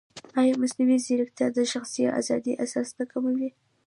ایا مصنوعي ځیرکتیا د شخصي ازادۍ احساس نه کموي؟